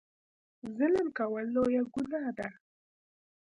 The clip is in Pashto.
ظلم کول لویه ګناه ده.